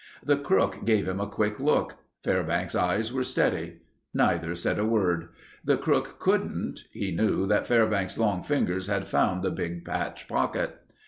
The crook gave him a quick look. Fairbanks' eyes were steady. Neither said a word. The crook couldn't. He knew that Fairbanks' long fingers had found the big patch pocket.